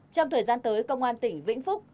trong thời gian tới công an tỉnh vĩnh phúc